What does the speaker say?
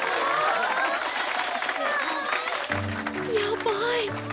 やばい。